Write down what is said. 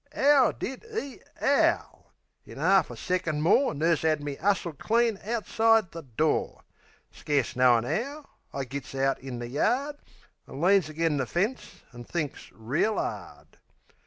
'Ow DID 'e 'owl! In'arf a second more Nurse 'ad me 'ustled clean outside the door. Scarce knowin' 'ow, I gits out in the yard, An' leans agen the fence an' thinks reel 'ard.